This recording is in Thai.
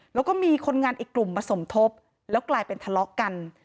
แล้วก็มีคนงานอีกกลุ่มมาสมทบแล้วกลายเป็นทะเลาะกัน